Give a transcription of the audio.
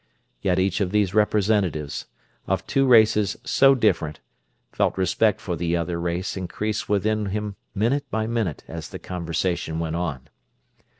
Yet each of these representatives, of two races so different, felt respect for the other race increase within him minute by minute as the conversation went on.